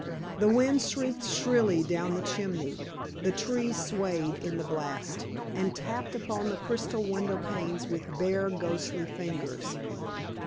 The wind shrieked shrilly down the chimney, the trees swayed in the blast, and tapped upon the crystal window panes with bare, ghostly fingers.